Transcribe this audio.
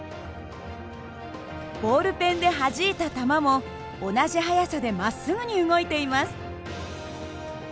ボールペンではじいた球も同じ速さでまっすぐに動いています。